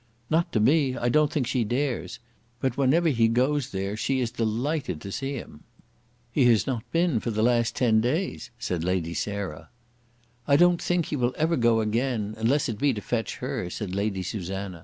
"Not to me; I don't think she dares. But whenever he goes there she is delighted to see him." "He has not been for the last ten days," said Lady Sarah. "I don't think he will ever go again, unless it be to fetch her," said Lady Susanna.